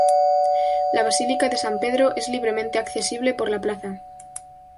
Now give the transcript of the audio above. La Basílica de San Pedro es libremente accesible por la plaza.